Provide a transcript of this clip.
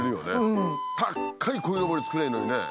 たっかいこいのぼり作りゃいいのにね。